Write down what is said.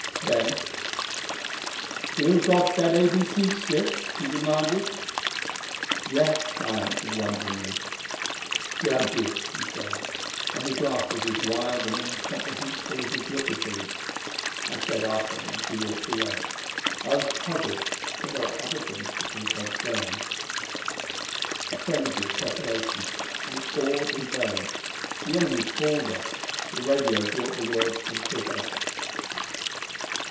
Then: "Still got that A.B.C. ship?" he demanded. "Yes," I answered wonderingly. "Junk it!" he said. And his laugh was as wild and incomprehensible as his look had been. I stared after him as he walked away. I was puzzled, but there were other things to think of then. A frenzy of preparation and all in vain. The enemy fooled us; the radio brought the word from Quebec.